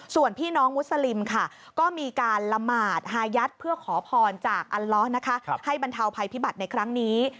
ส่วนพี่น้องมุสลิมค่ะก็มีการละหมาดฮายัดเพื่อขอพรจากอัลล้อนะคะให้บรรเทาภัยพิบัติในครั้งนี้